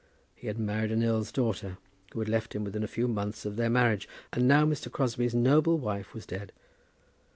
He had married an earl's daughter, who had left him within a few months of their marriage, and now Mr. Crosbie's noble wife was dead.